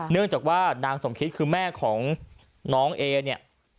เนื่องจากว่านางสมคิดคือแม่ของน้องเอเนี่ย